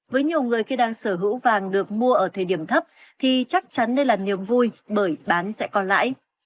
với nhiều người khi đang sở hữu vàng được mua ở thời điểm thấp thì chắc chắn đây là niềm vui bởi bán sẽ còn lãi